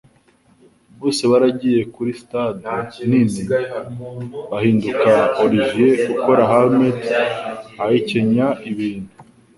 Bose baragiye kuri stade nini bahinduka Olivier ukora Hamlet, ahekenya ibintu